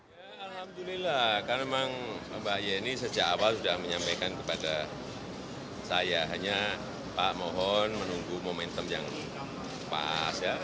ya alhamdulillah karena memang mbak yeni sejak awal sudah menyampaikan kepada saya hanya pak mohon menunggu momentum yang pas ya